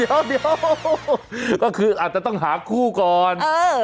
เดี๋ยวก็คืออาจจะต้องหาคู่ก่อน